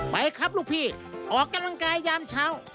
ไปครับลูกพี่ออกกำลังกายยามเช้า